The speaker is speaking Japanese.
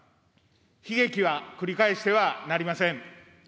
悲劇は繰り返してはなりません。